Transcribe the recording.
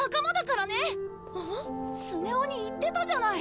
スネ夫に言ってたじゃない。